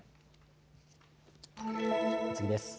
次です。